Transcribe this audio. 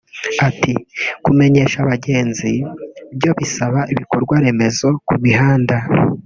Ati “Kumenyesha abagenzi byo birasaba ibikorwaremezo ku mihanda